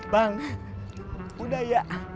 bang udah ya